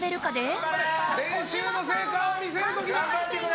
練習の成果を見せる時だ！